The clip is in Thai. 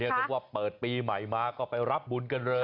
เรียกว่าเปิดปีใหม่มาก็ไปรับบุญกันเลย